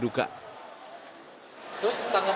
terus tanggapan dari sini gimana bu dipersulit nggak